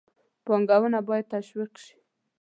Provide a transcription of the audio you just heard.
پانګونه باید تشویق شي.